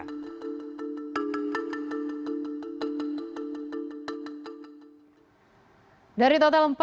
kus indra sdi media